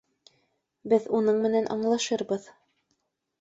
Беҙ уның менән аңлашырбыҙ.